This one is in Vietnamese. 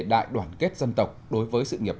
đại đoàn kết dân tộc đối với sự nghiệp